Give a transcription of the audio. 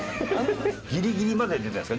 ギリギリまで出てるんですか？